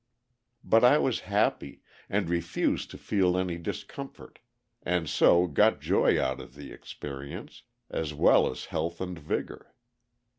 But I was happy, and refused to feel any discomfort, and so got joy out of the experience, as well as health and vigor.